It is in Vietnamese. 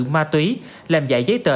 ma túy làm dạy giấy tờ